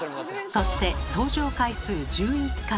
そして登場回数１１回。